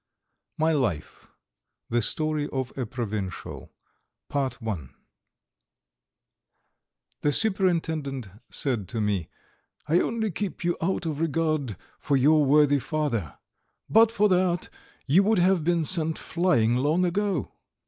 MY LIFE THE STORY OF A PROVINCIAL I THE Superintendent said to me: "I only keep you out of regard for your worthy father; but for that you would have been sent flying long ago."